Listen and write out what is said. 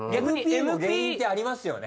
ＭＰの原因ってありますよね。